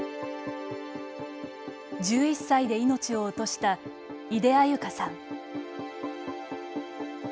１１歳で命を落とした井出安優香さん。